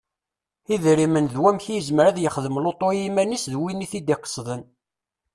Idrimen d wamek i yezmer ad yexdem lutu i yiman-is d wid i t-id-iqesden.